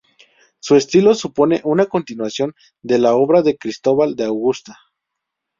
Su estilo supone una continuación de la obra de Cristóbal de Augusta.